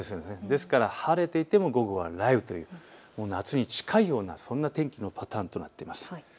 ですから晴れていても午後は雷雨という夏に近いようなそんな天気となっています。